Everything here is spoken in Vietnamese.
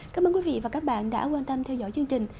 cảm ơn quý vị và các bạn đã quan tâm theo dõi chương trình